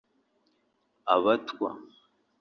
Abatwa”